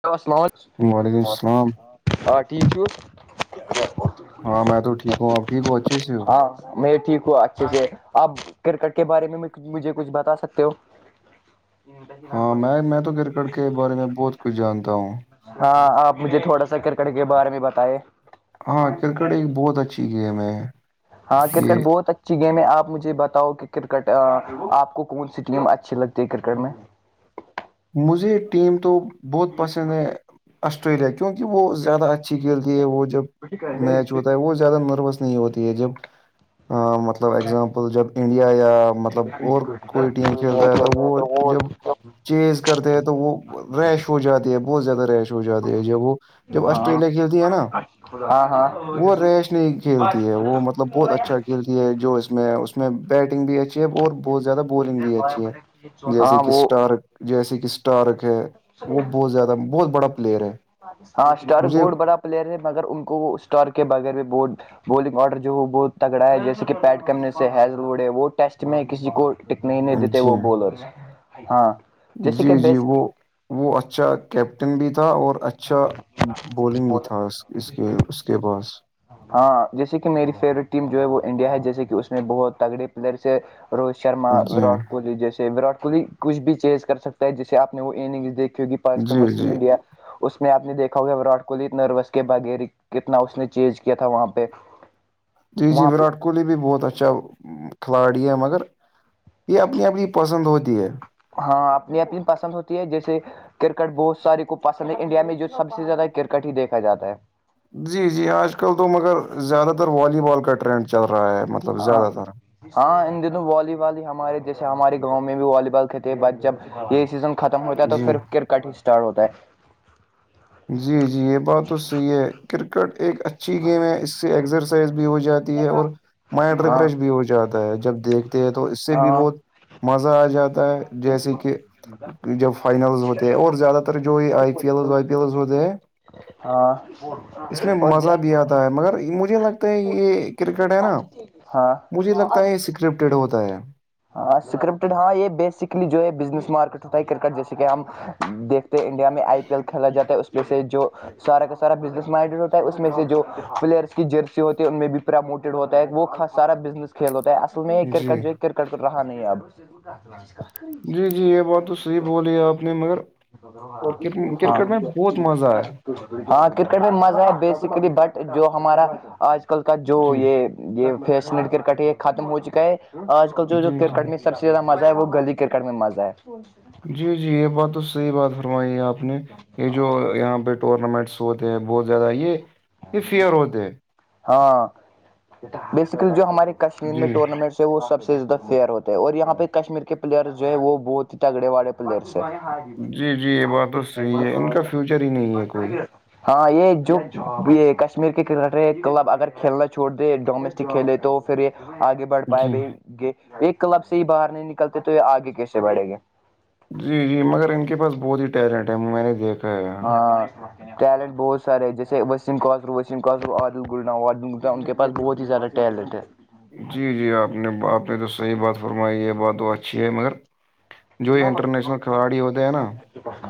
hello السلام وعلیکم السلام علیکم آ ٹھیک چو ہاں میں تو ٹھیک ہوں اب ٹھ ہوں اچھے سے ہو ہاں میں ٹھیک ہوا اچھے سے آپ کرکٹ کے بارے میں مجھے کچھ بتا سکتے ہو [inaudible] ہاں میں میں تو کرکٹ کے بارے میں بہت کچھ جانتا ہوں ہاں آپ مجھے تھوڑا سا کرکٹ کے بارے میں بتائے ہاں کرکٹ ایک بہت اچھی گیم ہے یہ اچی گیم ہے آپ مجھے بتاؤ کہ کرکٹ آپ کو کون سی ٹیم اچھی لگتی ہے کرکٹ میں مجھے ٹیم تو بہت پسند ہے آسٹریلیا کیونکہ وہ زیادہ اچھی کھیلتی ہے وہ جب میچ ہوتا ہے وہ زیادہ نروس نہیں ہوتا یہ جب مطلب اگزامپل جب انڈیا یا مطلب اور کوئی ٹیم کھیلتا ہے تو وہ جب چیز کرتے ہیں تو وہ ریش ہو جاتی ہے بہت زیادہ ریش ہو جاتے ہے جب وہ جب ہاں آسٹریلیا کھیلتی ہے نا ہاں ہاں وہ ریش نہیں کھیلتی ہے وہ مطلب بہت اچھا کھیل یہ ہے جو اس میں اس میں بیٹنگ بھی اچھی ا اور بہت زیادہ بورنگ بھی اچھی ہے جیسے ہاں کہ وہ اسٹارک جیسے کہ اسٹارک ہے وہ بہت زیادہ بہت بڑا پلیئر ہے ہاں اسٹارک مجھے بہت بڑا پلیئر ہیں مگر ان کو وہ اسٹور کے بغیر میں ب بولنگ آرڈر جو ہو وہ بہت تگڑا ہے جیسے کہ پیٹ کمنے سے ہیض لڑے وہ ٹیسٹ میں کسی کو ٹکنے ہی نہیں دیتے جی وہ بولرس ہاں جیسے جی کہ جی بیس وہ وہ اچھا کیپٹن بھی تھا اور اچھا اچھا بولنگ بھی تھا اس اس کے اس کے پاس ہاں جیسے کہ میری فیوریٹ ٹیم جو ہے وہ انڈیا ہے جیسے کہ اس میں بہت تگڑے پلیئرس روہت شرما جی وراٹ کوہلی جیسے وراٹ کوہلی کچھ بھی چیز کر سکتا ہے جیسے آ نے وہ اننگس دیکھی ہوی پاکستان جی ورسز جی انڈیا اس میں آپ نے دیکھا ہوگا وراٹ کوہلی نروس کے بغیر کتنا اس نے چینج کیا تھا وہاں پہ [inaudible] [unintelligible] جی جی وہاں پہ وراٹ کولی بھی بہت اچھا کھلاڑی ہے مگر یہ اپنی اپنی پسند ہوتی ہے ہاں اپنی اپنی پسند ہوتی ہے جیسے کرکٹ بہت سارے کو پسند ہے انڈیا میں جو سب سے زیادہ کرکٹ ہی دیکھا جاتا ہے جی جی آج کل تو مگر زیادہ تر والی بال کا ٹرینڈ چل رہا ہے ملب ہاں ہاں ان دنوں والی بال ہی ہمارے جیسے ہمارے گاؤں میں بھی والی بال کھیتے ہیں بچ جب یہی سیزن ختم ہوتا ہے تو جی پھر کرکٹ ہی اسٹارٹ ہوتا ہے جی جی یہ بات تو صحیح ہے کرکٹ ایک اچا اچھی گیم ہے اس سے ایکسرسائز بھی ہو جاتی ہے اور مائنڈ ہاں ریفریش بھی ہو جاتا ہے جب دیکھ تو اس سے بھی ہاں بہت مزہ آ جاتا ہے جیسے کہ جب فائنلز ہوتے ہیں اور زیادہ تر جو یہ آئی پی ایل و پی کیاز ہوتے ہے ہیں ہاں اس میں اور مزہ بھی آتا ہے مگر مجھے لگتا ہے یہ کرکٹ ہے نا ہاں مجھے لگتا ہے یہ اسکرپٹیڈ ہوتا ہے ہاں اسکرپٹڈ ہاں یہ بیسکلی جو ہے بزنس مارکیٹ ہوتا ہے کرکٹ جیسے کہ ہم دیکھتے انڈیا میں آئی پی ایل کھیلا جاتا ہے اس میں سے جو سارا کا سارا بزنس مائنڈیڈ ہوتا ہے اس میں سے جو پلیئرس کی جرسی ہوتی ہے ان میں بھی پرموٹ ہوتا ہے وہ سارا بزنس کھیلو تو اصل م جی کررکٹ ج کرکٹ ر رہاہان آب جی جی یہ بات تو صحیح بولی ہے آپ نے مگر [unintelligible] کرکٹ میں بہت مزہ ہے ہاں کرکٹ میں مزہ ہے بیسیکلی بٹ جو ہمارا آج کل کا جو جی یہ یہ فیشنٹ کرکٹ یہ ختم ہو چکا ہے آج کل جو جو جی جی کرکٹ میں سب سے زیادہ مزہ ہے وہ گلی کرکٹ میں مزہ ہے جی جی یہ بات تو صحیح بات فرمائی ہے آپ نے یہ جو یہاں بی ٹورنامنٹس ہوتے ہیں بہت زیادہ یہ یہ فیئر ہوتے ہیں ہاں بیسیکلی جو ہماراری کشمیر میں جی ٹورنامنٹس وہ سب سے زیادہ فیئر ہوتے ہے اور یہاں پہ کشمیر کے پلیئر جو ہے وہ بہت ہی تگڑے والے پلیئرس ہے جی جی یہ بات تو صحیح ہے ان کا فیوچر ہی نہیں ہے کوئی ہاں یہ جو یہ کشمیر کے کرکٹر کلب اگر کھیلنا چھوڑ دے ڈومیسٹک کھیلے تو پھر یہ آگے بڑھ پائے جی بھائی یہ ایک کلب سے ہی باہر نہیں نکلتے تو یہ آگے کیسے بڑھیں گے جی جی مگر ان کے پاس بہت ہی ٹیلنٹ ہے میں نے دیکھا ہے یہاں ہاں ٹیلنٹ بہت سارے جیسے وسیم کوسرو وسیم کوسرو عدل گڈنا و عل گ ان کے پس بہت ہی زیاارہ ڈلڈے جی جی آپ نے آپ نے تو صحیح بات فرمائی یہ بات تو اچھی ہے مگر جو انٹرنیشنل کھلاڑی ہوتے ہیں نا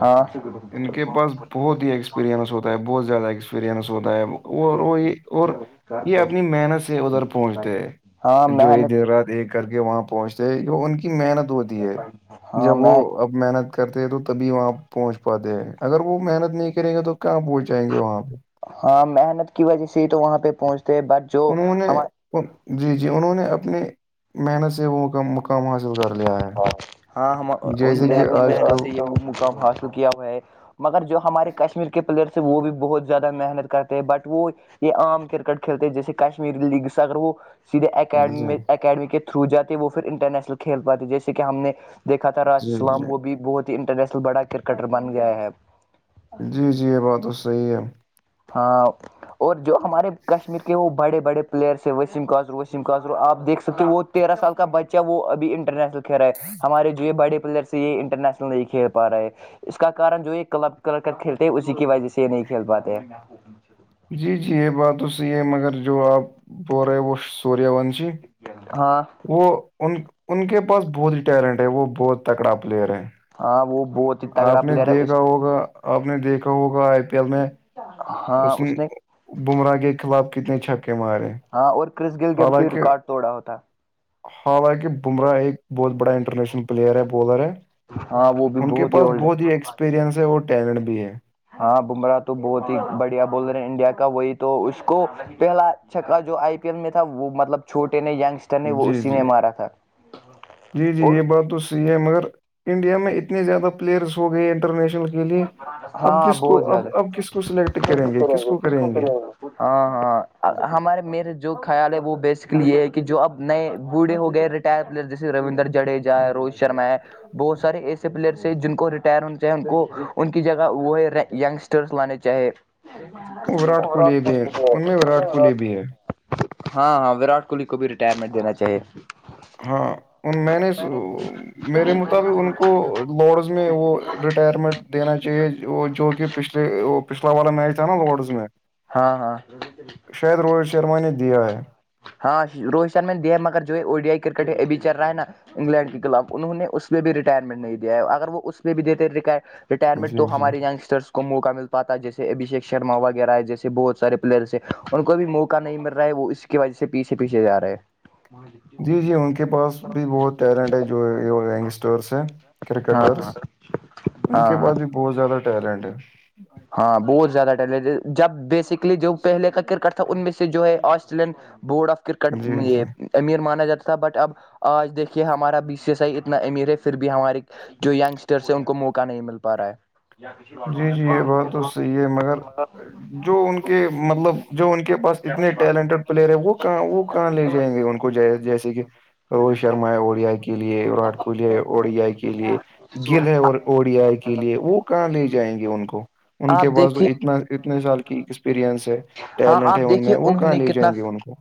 ہاں ان کے پاس بہت ہی ایکسپیریئنس ہوتا ہے بہت زیادہ ایکس ہوتا ہے وہ یہ اور یہ اپنی محنت سے ادھر پہنچتے ہاں ہے جو ایک محنت دیر رات ایک کر کے وہاں پہنچتے جو ان کی محنت ہوتی ہے ہاں جب وہ محنت اب محنت کرتے ہیں تو تبھی وہاں پہنچ پاتے ہیں اگر وہ محنت نہیں کریں گے تو کہاں پہنچ جائیں گے وہاں پہ ہاں محنت کی وجہ سے ہی تو وہاں پہ پہنچتے ہیں بٹ جو انہوں نے ہم جی جی انہوں نے اپنی محنت سے وہ کام کام حاصل کر لیا ہے ہاں انہوں جیسے کہ نے آج کل سے یہ مقام حاصل کیا ہو ہے مگر جو ہمارے کشمیر کے پلیئرس ہیں وہ بھی بہت زیادہ محنت کرتے ہیں بٹ وہ یہ عام کرکٹ کھیلتے جیسے کشمیری لیگ اگر وہ سیدھے اک جی اکیڈمی کے تھرو جاتے وہ پھر انٹرنیشنل کھیل پاتے جیسے کہ ہم نے دیکھا تھا راشد جی سلام جی وہ بھی بہت ہی انٹرنیشنل بڑا کرکٹر بن گیا ہے جی جی یہ بات تو صحیح ہے ہ اور جو ہمارے کشمیر کے وہ بڑے بڑے پلیئرس ہے وسیم کاجرو وسیم کاجرو آپ دیکھ سکتے ہو وہ تیرہ سال کا بچہ ہے وہ اب انٹرنیشنل کھیل رہ ہے ہمارے جو یہ بڑے پلیئرس یہ انٹرنیشنل نہیں کھیل پا رہے اس کا کن جو یہ کلب کر کر کھیلتے ہیں اسی کی وجہ سے یہ نہیں کھیل پاتے جی جی یہ بات تو صحیح ہے مگر جو آپ بول رہے ہیں وہ سوریہ ونشی ہاں [unintelligible] وہ ان ان کے پاس بہت ہی ٹیلنٹ ہے وہ بہت تکڑا پلیئر ہے ہاں وہ بہت ہی تگڑا آپ نے پلیئر ہے اس دیکھا ہوگا آپ نے دیکھا ہوگا آ میں ہاں اس نے بمراہ کے خلاف کتنے چھپکے مارے ہاں اور کرس گل جب کی ریکارڈ توڑا ہوتا ہاں باقی بمراہ ایک بہت بڑا انٹرنیشنل پلیئر ہے بالر ہے ہاں وہ بھی ان کے پاس اولڈ بہت ہی ہے ایکسپییرئنس ہے اور ٹیلنٹ بھی ہے ہاں بمراہ تو بہت ہی بڑھیا بول رہے ہیں انڈیا کا وہی تو اس کو پہلا چکا جو آئی پی ایل میں تھا وہ مطلب چھوٹے نے یگسٹر نے وہ جی اسی جی نے مارا تھا جی جی اور یہ بات تو ہے مگر انڈیا میں اتنے زیادہ پلیئرس ہو گئے انٹرنیشنل کے کے لیے اب ہاں کس کو بہت اب زیادہ اب کس کو سلیکٹ کریں گے کس کو کریں گے ہاں ہاں ہمارے میرے جو خیال ہے وہ بیسکلی یہ ہے کہ جو اب نئے بوڑھے ہو گئے پلیر جسے رویندر چڑے جا روہت شرما ہے بہت سارے ایسے پلیئرس ہے جن کو ریٹائر ہونا چاہے ان کو ان کی جگہ وہ ہے ینگسٹرس لانے چاہے [inaudible] وراٹ کوہلی بھی ہے ان میں وراٹ کوہلی بھی ہے ہاں ہاں ورٹ کوہلی کو بھی ریٹائرمنٹ دینا چاہیے ہاں میں نے میرے مطابق ان کو بڈز میں وہ ریٹائرمنٹ دینا چاہیے وہ جو کہ پچھلے وہ پچھلا والا میچ تھا نا لارڈز میں ہاں ہاں شاید روہت شرما نے دیا ہے ہاں روہت شرم نے دیا ہے مگر جو ہے او ڈی آئی کرکٹ میں ابھی چل رہا ہے نا انگلینڈ کے خلاف انہوں نے اس میں بھی ریٹائرمنٹ نہیں دیا ہے اگر وہ اس میں بھی دیتے ریٹائرمنٹ جی تو جی ہمارے یونگسٹرس موقع مل پیٹ جیسے ابھیشیک شرم وغیرہ ہے جیسے بہت سارے پلیئرس ہیں ان کو بھی موقع نہیں مل رہا ا ہے وہ اس کی وجہ سے پیچھے پیچھے جا رہے ہیں جی جی ان کے پاس بھی بہت ٹیلنٹ ہے جو ینگسٹرس ہے ہاں ہاں ان ہاں کے ہاں پاس بھی بہت زیادہ ٹیلنٹ ہے ہاں بہت زیادہ ٹلنٹ جب بیسکلی جو پہلے کا کرکٹ تھا ان میں سے جو ہے آج چلڈ بورڈ آف کررکٹ جی جی یہ امیر مانا جاتا تھا بٹ اب آج دیکھیے ہمارا بی سی ایس آئی اتنا امیر ہے پھر بھی ہماریے جو ینگسٹرس ہیں ان کو موقع نہیں مل پا رہا ہے جی جی یہ بات تو صحیح ہے مگر جو ان کے مطلب جو ان کے پاس اتنے ٹیلنٹیڈ پلیئر ہے وہ کہاں وہ کہاں لے جائیں گے ان کو ج جیسے کہ روہت شرما ہے او ڈی آئی کے لیے وراٹ کوہلی ہے او ڈی آئی کے لیے گل ہے اور او ڈی آئی کے لیے وہ کہاں لے جائیں گے ان کو ان کے آپ پاس تو دیکھیے اتنا اتنے سال کی ایکسپیرئنس ہے ہاں ٹیلنٹ ہے آپ ان میں دیکھیے وہ انہوں کہاں نے لے کتنا جائیں گے ان کو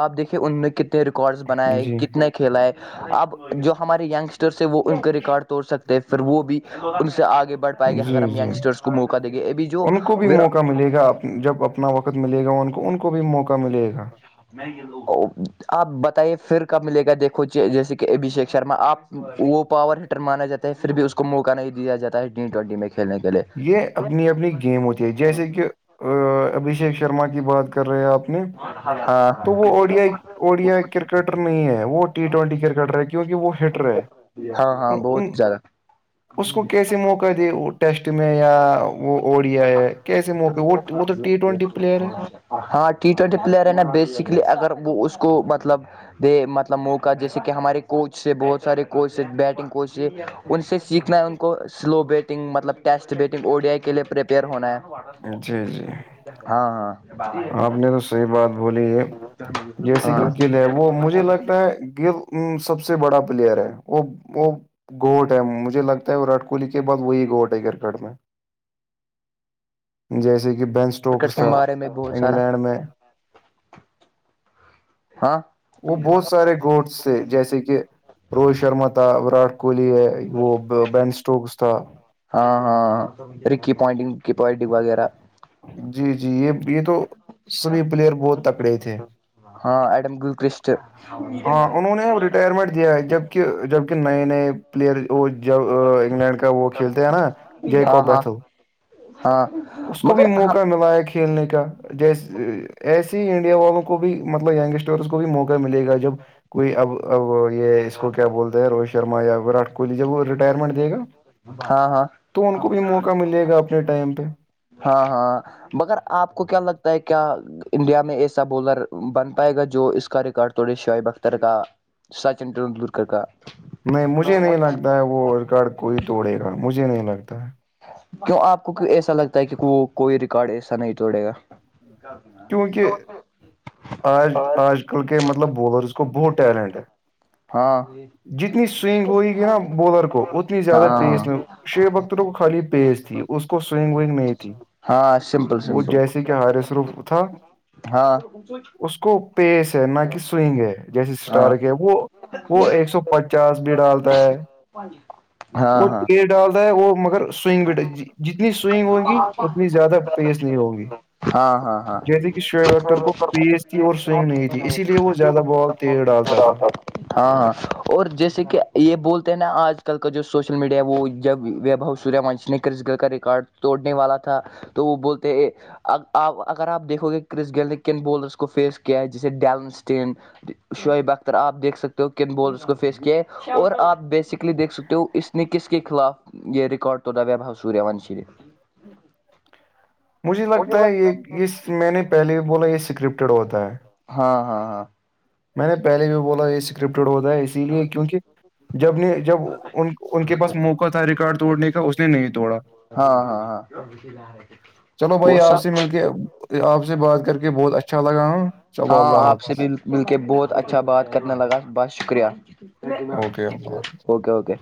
آپ دیکھیے ان میں کتنے ریکارڈس بنائے جی کتنے کھیلا ہے اب جو ہمارے یینگسٹرس ہیں وہ ان کے ریکارڈ توڑ سکتے ہیں پھر وہ بھی ان سے آگے بڑھ پائے گے اگر جی ہم جی یگسٹرس کو موقع دیں گے ابھی جو ان کو بھی موقع ملے گا آپ کو جب اپنا وقت ملے گا ان کو ان کو بھی موقع ملے گا آپ بتائیے پھر کب ملے گا دیکھو جیسے کہ ابھیشیک شرما آپ وہ پاور ہیٹر مانا جاتا ہے پھر بھی اس کو موقع نہیں دیا جاتا ہے ٹی ٹوینٹی میں کھیلنے کے لیے یہ اپنی اپنی گیم ہوتی ہے جیسے کہ ابھیشیک شرما کی بات کر رہے ہیں آپ نے ہاں تو وہ O D I O D I cricketer نہیں ہے وہ ٹی ٹوینٹی کرکٹر ہے کیونکہ وہ ہٹر ہے ہاں ہاں ان- بہت ان- زیادہ اس کو کیسے موقع دے وہ ٹیسٹ میں یا وہ اوڈیا ہے کیسے موقع وہ وہ تو ٹی ٹوینٹی پلیئر ہے ہاں ٹی ٹوینٹی پلیئر ہے نا بیسکلی اگر وہ اس کو مطلب دے مطلب موقع جیسے کہ ہمارے کوچ سے بہت سارے کوچ بیٹنگ کوچ سے ان سے سیکھنا ہے ان کو سلو بیٹنگ مطلب test batting O D I کے لیے پریپیئر ہونا ہے جی جی ہاں ہاں آپ نے تو صحیح بات بولی ہے جیسے ہاں کہ گل ہے وہ مجھے لگتا ہے گل ا سب سے بڑا پلیئر ہے وہ وہ گوٹ ہے مجھے لگتا ہے وراٹ کوہلی کے بعد وہی گوٹ ہے کرکٹ میں ج [unintelligible] [inaudible] جیسے کہ بینچ کرکٹ کے بارے میں بہت سارا ہم میں ہاں وہ بہت سارے گوٹ تھے جیسے کہ روہت شرما تھا وراٹ کوہلی ہے وہ بین اسٹوکس تھا ہاں ہاں ہ رکی پوائنٹنگ وکی پوائنٹنگ وغیرہ جی جی یہ یہ تو سبھی پلیئر بہت تکڑے تھے گلکسٹ ہاں انہوں نے اب ریٹائرمنٹ دیا ہے جبک جبک نئے نئے پلیئر وہ جب انگلینڈ کا وہ کھیلتے ہیں نا ہاں جیکو ہاں بیتھل ہاں اس کو بھی مگر ہاں موقع ملا ہے کہ کھیلنے کا جیس ایسے ہی انڈیا والوں کو بھی مطلب یگسٹر اور اس کو بھی موقع ملے گا جب کوئی اب اب یہ اس کو کیا بولتے ہیں روہت شرما یا وراٹ کوہلی جب وہ منٹ دے گا ہاں ہاں تو ان کو بھی موقع ملے گا اپنے ٹائم پہ ہاں ہاں مگر آپ کو کیا لگتا ہے کیا انڈیا میں ایسا بولر بن پائے گا جو اس کا ریکارڈ تھڑے شعیب اختر کا سچن ندولکر کا نہیں مجھے نہیں لگتا ہے وہ ر کارڈ کوئی توڑے گا مجھے نہیں لگتا ہے کیوں آپ کو ایسا لگتا ہے کہ وہ کوئی ریکارڈ ایسا نہیں توڑے گا کیونکہ تو آج آج کل کے مطلب بولرز کو بہت ٹیلنٹ ہے ہاں جتنی سوئگ ہوئے گی نا بولر کو اتنی زیادہ پیس ہاں میں شیو بکتروں کو خالی پیز تھی اس کو سوگ ونگ نہیں تھی ہاں سمپل سمپل کیا ہارے سروف ا تھا ہاں اس کو پیس ہے نہ کہ سوئگ ہے جیسے ہاں ہاں اسٹارک ہے وہ وہ ایک سو پچاس بھی ڈالتا ہے ہاں وہ چ ڈالتا ہے وہ مگر سوئنگ وٹ جتنی سوئنگ ہوگی اتنی زیادہ پیس نہیں ہوگی ہاں ہاں ہاں جیسے کہ شو ویکٹر کو پیس تھی اور سوئنگ نہیں تھی اسی لیے وہ زیادہ بال تیز ڈالتا تھا ہاں ہاں اور جیسے کہ یہ بولتے ہیں نا آج کل کا جو سوشل میڈیا وہ جب ویب ہاؤس سوریہ ونش نے کرس گل کا ریکارڈ توڑنے والا تھا تو وہ بولتے آپ اگر آپ دیکھو گے کرس گینل نے کن بولرس کو فیس کیا ہے جیسے ڈیلنسٹین شعب اختر آپ دیکھ سک سکتے ہو کن بول اس کو فیس کیا ہے اور آپ بیسکلی دھ سکتے ہو اس نے کس کے خلاف یہ ریکارڈ تودا ویبہ ہوا سوریہان شریف مجھے لگتا ہے اس میں نے پہلے بھی بولا یہ اسکرپٹیڈ ہوتا ہے ہاں ہاں ہاں میں نے پہے بھی بولا یہ اسکرپٹڈ ہوتا ہے اس اس لیے کیونکہ جب نے جب ان کے پاس موقع تھا ریکارڈ توڑنے کا اس نے نہیں توڑا ہاں ہاں ہاں چلو وہ بھائی آپ سے سب مل کے آپ سے بات کر کے بہت اچھا لگا ہوں چلو ہاں اللہ آپ حافظ سے بھی مل کے بہت اچھا بات کرنے لگا بس شکریہ اوکے اللہ حافظ وکےوکے